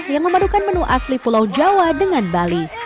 yang memadukan menu asli pulau jawa dengan bali